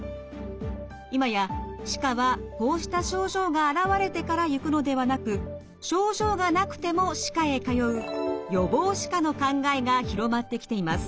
今や歯科はこうした症状が現れてから行くのではなく症状がなくても歯科へ通う予防歯科の考えが広まってきています。